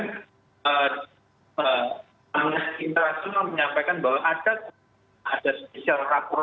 namun internasional menyampaikan bahwa ada spesial rapor